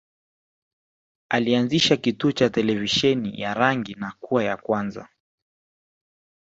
Alianzisha kituo cha televisheni ya rangi na kuwa ya kwanza